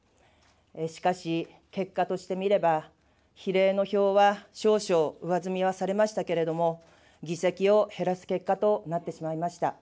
しかし、結果として見れば比例の票は少々上積みはされましたけれども、議席を減らす結果となってしまいました。